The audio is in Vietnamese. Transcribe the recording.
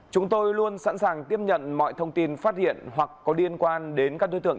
chúng tôi luôn sẵn sàng tiếp nhận mọi thông tin phát hiện hoặc có liên quan đến các đối tượng